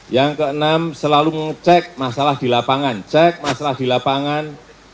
yang keenam selalu mengecek masalah di lapangan